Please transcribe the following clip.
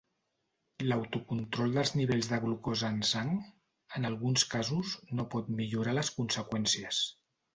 L'autocontrol dels nivells de glucosa en sang, en alguns casos no pot millorar les conseqüències.